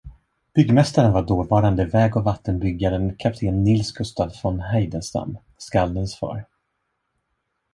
Byggmästaren var dåvarande väg- och vattenbyggaren kapten Nils Gustaf von Heidenstam, skaldens far.